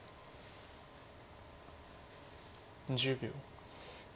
１０秒。